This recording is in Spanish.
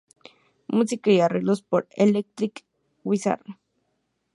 Música y arreglos por Electric Wizard.